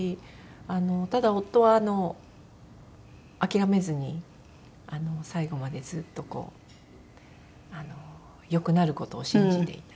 ただ夫は諦めずに最後までずっとこう良くなる事を信じていた。